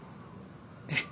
えっ？